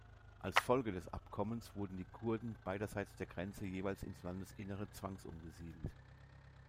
Als Folge des Abkommens wurden die Kurden beiderseits der Grenze jeweils ins Landesinnere zwangsumgesiedelt.